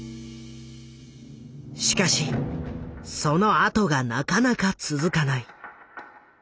しかしそのあとがなかなか続かない。